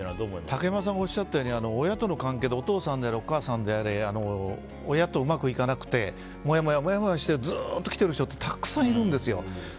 竹山さんがおっしゃったように親との関係でお父さんであれ、お母さんであれ親とうまくいかなくてもやもやしてずっときている人ってたくさんいるんですよ。